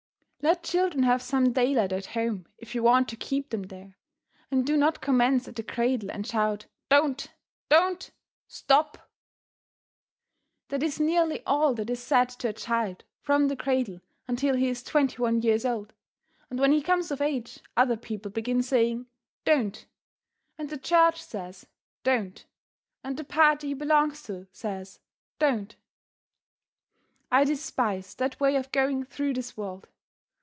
Let children have some daylight at home if you want to keep them there, and do not commence at the cradle and shout "Don't!" "Don't!" "Stop!" That is nearly all that is said to a child from the cradle until he is twenty one years old, and when he comes of age other people begin saying "Don't!" And the church says "Don't!" and the party he belongs to says "Don't!" I despise that way of going through this world.